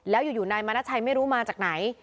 แล้วอยู่นายมณชัยไม่รู้มาจากไหน